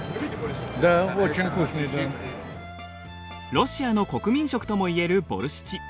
ロシアの国民食ともいえるボルシチ。